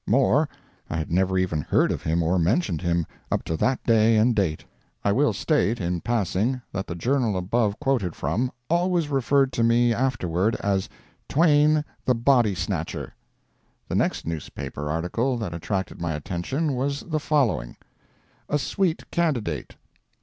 More—I had never even heard of him or mentioned him, up to that day and date. [I will state, in passing, that the journal above quoted from always referred to me afterward as "Twain, the Body Snatcher."] The next newspaper article that attracted my attention was the following: A SWEET CANDIDATE.